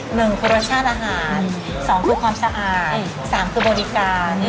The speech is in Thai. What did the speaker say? หนึ่งคือรสชาติอาหารสองคือความสะอาดสามคือบริการ